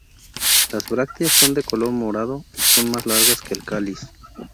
Las brácteas son de color morado y son más largas que el cáliz.